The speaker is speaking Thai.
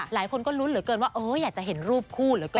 หลายคนก็ลุ้นเหลือเกินว่าอยากจะเห็นรูปคู่เหลือเกิน